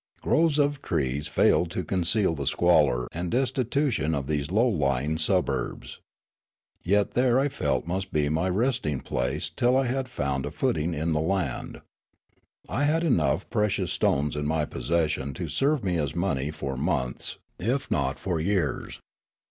Groves of trees failed to conceal the squalor and destitution of these low ljnng suburbs. Yet there I felt must be my resting place till I had Landing 25 found a footing in the land. I had enough precious stones in m)' possession to serve me as money for months, if not for years.